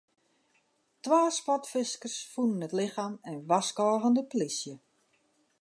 Twa sportfiskers fûnen it lichem en warskôgen de polysje.